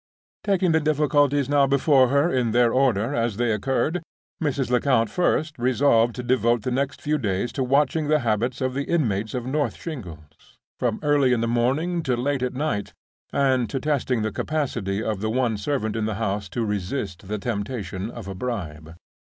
Taking the difficulties now before her in their order as they occurred, Mrs. Lecount first resolved to devote the next few days to watching the habits of the inmates of North Shingles, from early in the morning to late at night, and to testing the capacity of the one servant in the house to resist the temptation of a bribe.